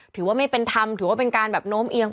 ถือว่าไม่เป็นธรรมถือว่าเป็นการแบบโน้มเอียง